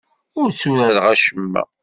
Ur tturareɣ acemma.